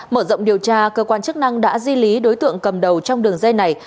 mở rộng điều tra cơ quan chức năng đã di lý đối tượng cầm đầu trong đường dây này